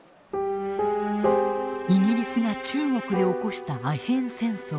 イギリスが中国で起こしたアヘン戦争。